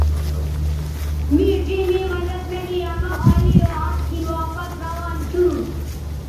می ڙھیئں می مدد نہ گی آ مہ خالی ھَت گِھن واپس روان تھو